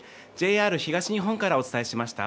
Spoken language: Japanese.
ＪＲ東日本からお伝えしました。